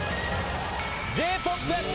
「Ｊ−ＰＯＰ」